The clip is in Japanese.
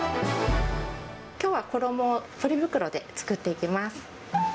きょうは衣をポリ袋で作っていきます。